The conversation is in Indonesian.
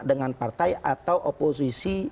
dengan partai atau oposisi